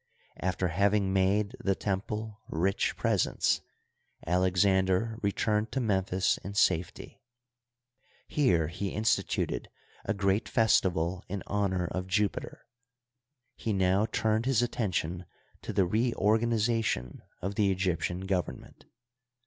After having made the temple rich presents, Alexander returned to Memphis in safety. Here he instituted a great festival in honor of Jupiter. He now turned his attention to the reorganization of the Egyptian government.